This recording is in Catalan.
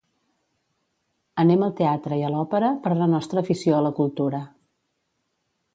Anem al teatre i a l'òpera per la nostra afició a la cultura